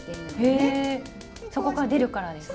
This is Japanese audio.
へえそこから出るからですか？